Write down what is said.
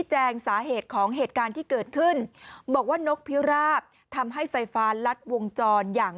แงสาเหตุของเหตุการณ์ที่เกิดขึ้นบอกว่านกพิราบทำให้ไฟฟ้าลัดวงจรอย่าง